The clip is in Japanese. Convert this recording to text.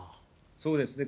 そうですね。